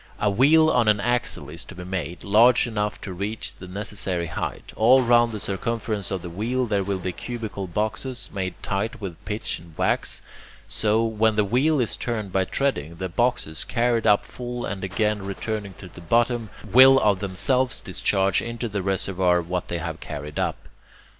A wheel on an axle is to be made, large enough to reach the necessary height. All round the circumference of the wheel there will be cubical boxes, made tight with pitch and wax. So, when the wheel is turned by treading, the boxes, carried up full and again returning to the bottom, will of themselves discharge into the reservoir what they have carried up.